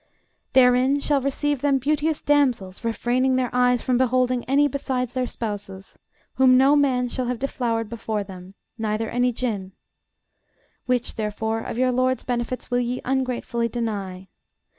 Therein shall receive them beauteous damsels, refraining their eyes from beholding any besides their spouses: whom no man shall have deflowered before them, neither any Jinn: (Which, therefore, of your LORD'S benefits will ye ungratefully deny?)